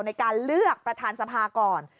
ในการเลือกประธานสภาก่อน